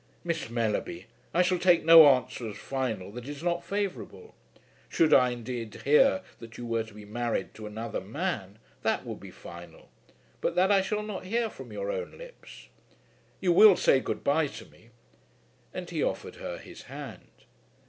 "Miss Mellerby, I shall take no answer as final that is not favourable. Should I indeed hear that you were to be married to another man, that would be final; but that I shall not hear from your own lips. You will say good bye to me," and he offered her his hand.